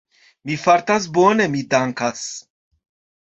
Mi fartas bone, mi dankas.